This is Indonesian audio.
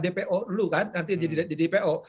dpo dulu kan nanti di dpo